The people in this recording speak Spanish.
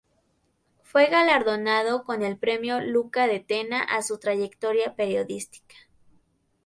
Fue galardonado con el Premio Luca de Tena a su trayectoria periodística.